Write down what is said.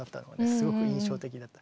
すごく印象的だった。